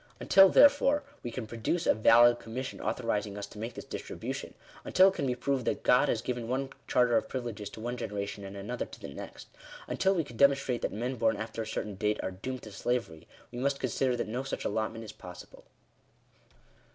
Until therefore, we can produce a valid commission authoriz ing us to make this distribution — until it can be proved that God has given one charter of privileges to one generation, and another to the next — until we can demonstrate that men born after a certain date are doomed to slavery, we must consider that no such allotment is permissible.